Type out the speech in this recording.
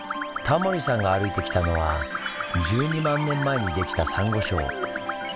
タモリさんが歩いてきたのは１２万年前にできたサンゴ礁。